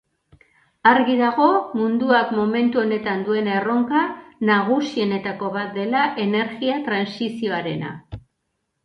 Argi dago munduak momentu honetan duen erronka nagusienetako bat dela energia trantsizioarena.